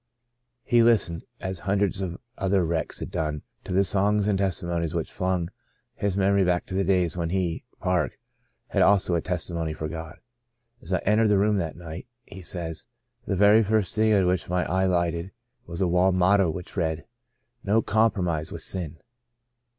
He Hstened, as hun dreds of other wrecks had done, to the songs and testimonies which flung his memory back to the days when he, Park, had also a testimony for God. " As I entered the room that night," he says, " the very first thing on which my eye lighted was a wall motto which read — No Compromise with Sin.